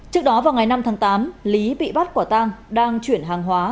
trước đó vào ngày năm tháng tám lý bị bắt quả tang đang chuyển hàng hóa